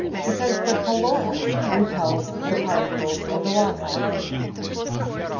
_ Because the caloric repels the particles of the water. 797.